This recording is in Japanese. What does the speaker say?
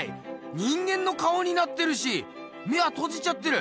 人間の顔になってるし眼はとじちゃってる。